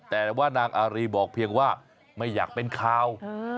แต่ว่านางอารีบอกเพียงว่าไม่อยากเป็นข่าว